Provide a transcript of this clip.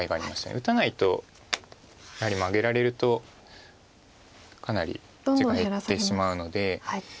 打たないとやはりマゲられるとかなり地が減ってしまうので。